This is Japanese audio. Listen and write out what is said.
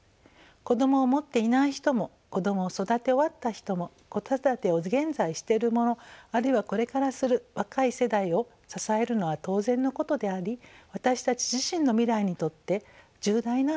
子どもを持っていない人も子どもを育て終わった人も子育てを現在している者あるいはこれからする若い世代を支えるのは当然のことであり私たち自身の未来にとって重大なことだと思います。